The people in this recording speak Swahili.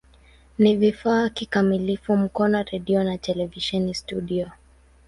Ni vifaa kikamilifu Mkono redio na televisheni studio.